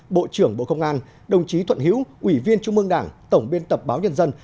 bộ trưởng bộ công an đồng chí thuận hiễu ủy viên trung mương đảng tổng biên tập báo nhân dân